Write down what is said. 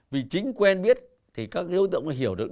vì chính quen biết thì các đối tượng mới hiểu được